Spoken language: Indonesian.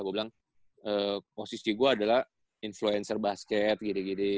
gua bilang posisi gua adalah influencer basket gitu gitu